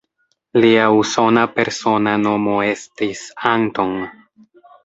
Lia usona persona nomo estis "Anton".